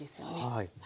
はい。